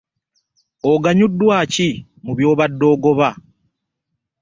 Oganyuddwa ki mu by'obadde ogoba.